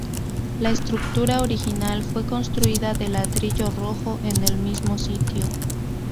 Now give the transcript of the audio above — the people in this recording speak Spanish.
La estructura original fue construida de ladrillo rojo en el mismo sitio.